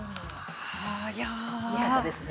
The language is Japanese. よかったですね。